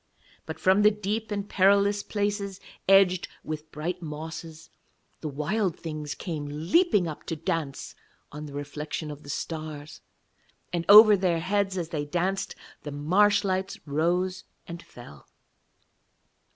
But from the deep and perilous places, edged with bright mosses, the Wild Things came leaping up to dance on the reflection of the stars, and over their heads as they danced the marsh lights rose and fell.